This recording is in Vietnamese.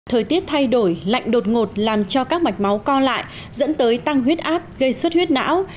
thời tiết thay đổi lạnh đột ngột làm cho các mạch máu co lại dẫn tới tăng huyết áp gây suất huyết não